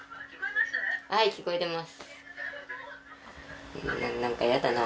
はい、聞こえてます。